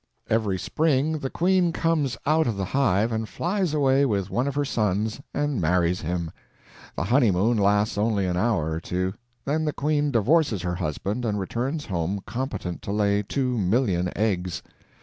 Every spring the queen comes out of the hive and flies away with one of her sons and marries him. The honeymoon lasts only an hour or two; then the queen divorces her husband and returns home competent to lay two million eggs.